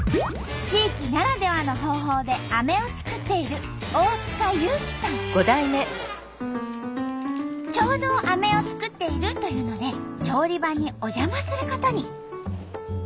地域ならではの方法でアメを作っているちょうどアメを作っているというので調理場にお邪魔することに。